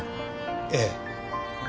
ええ。